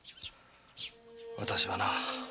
私はな